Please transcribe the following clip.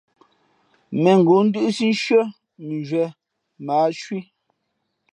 Mēngoó ndʉ́ʼsí nshʉ́ά mʉnzhwīē mα ǎ cwí.